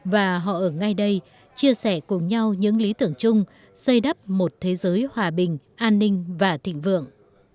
và họ ở ngay đây chia sẻ cùng nhau những lý tưởng chung xây đắp một thế giới hòa bình an ninh và thịnh vượng